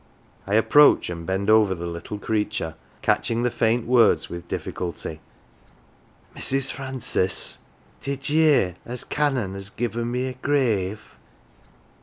I approach, and bend over the little crea ture, catching the faint words with difficulty :" Mrs. Francis did ye hear as Canon has given me a grave